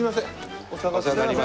お世話になります。